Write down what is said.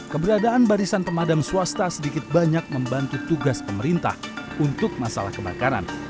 keberadaan barisan pemadam swasta sedikit banyak membantu tugas pemerintah untuk masalah kebakaran